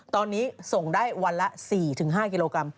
ตอนนี้ส่งได้วันละ๔๕กิโลกรัม